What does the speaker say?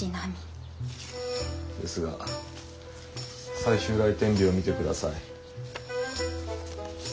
ですが最終来店日を見てください。